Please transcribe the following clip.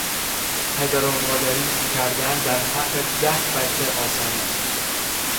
پدر و مادری کردن در حق ده بچه آسان نیست.